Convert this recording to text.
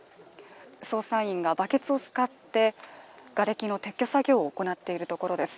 捜査員がバケツを使ってがれきの撤去作業を行っているところです。